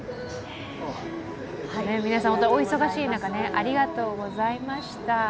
皆さんお忙しい中ありがとうございました。